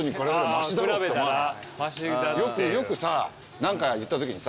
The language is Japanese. よくさ何か言ったときにさ